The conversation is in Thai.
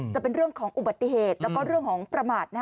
จะเป็นเรื่องของอุบัติเหตุแล้วก็เรื่องของประมาท